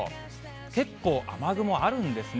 結構、雨雲あるんですね。